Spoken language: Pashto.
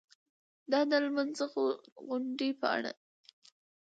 د لمانځغونډې په اړه